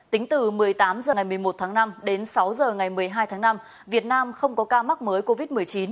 tính từ một mươi tám h ngày một mươi một tháng năm đến sáu h ngày một mươi hai tháng năm việt nam không có ca mắc mới covid một mươi chín